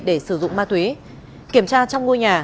để sử dụng ma túy kiểm tra trong ngôi nhà